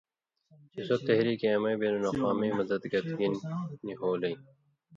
چے سو تحریکے امَیں بین الاقوامی مدد گت گِن نی ہولوئیں